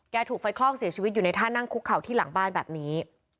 ถูกไฟคลอกเสียชีวิตอยู่ในท่านั่งคุกเข่าที่หลังบ้านแบบนี้